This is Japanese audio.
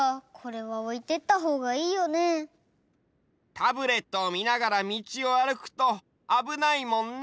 タブレットをみながらみちをあるくとあぶないもんね。